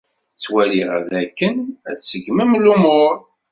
Ttwaliɣ dakken ad ṣeggmen lumuṛ.